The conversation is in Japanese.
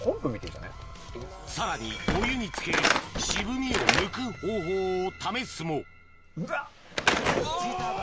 さらにお湯につけ渋みを抜く方法を試すもうわ！